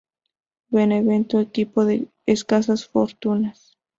Benevento, equipo de escasas fortunas.